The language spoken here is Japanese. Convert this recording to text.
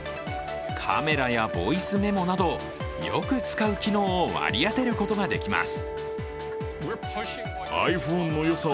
カメラやボイスメモなどよく使う機能を割り当てることができます。